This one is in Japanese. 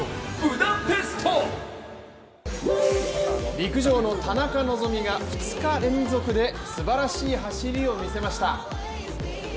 陸上の田中希実が２日連続ですばらしい走りをみせました。